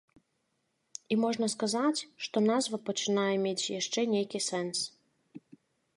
І можна сказаць, што назва пачынае мець яшчэ нейкі сэнс.